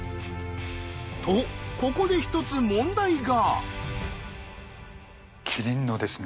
とここで一つ問題が。